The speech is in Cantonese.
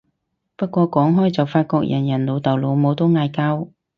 不過講開就發覺人人老豆老母都嗌交